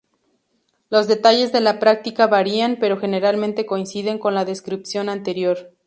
Los detalles de la práctica varían, pero generalmente coinciden con la descripción anterior.